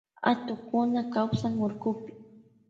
Atukkuna kawsan urkupi.